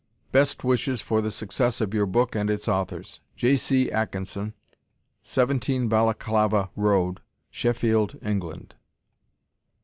Best wishes for the success of your book and its authors. J. C. Atkinson, 17 Balaclava Rd., Sheffield, England.